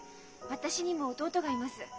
私にも弟がいます。